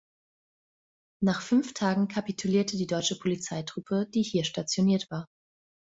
Nach fünf Tagen kapitulierte die deutsche Polizeitruppe, die hier stationiert war.